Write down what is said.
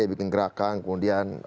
bikin gerakan kemudian